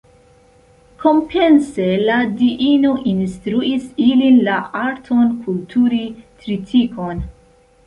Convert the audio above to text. Kompense, la diino instruis ilin la arton kulturi tritikon.